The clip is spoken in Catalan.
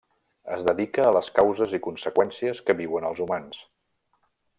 Es dedica a les causes i conseqüències que viuen els humans.